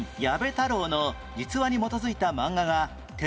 太郎の実話に基づいた漫画が手